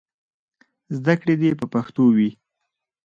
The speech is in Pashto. زدهکړې دې په پښتو وي.